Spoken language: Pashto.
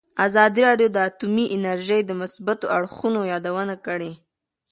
ازادي راډیو د اټومي انرژي د مثبتو اړخونو یادونه کړې.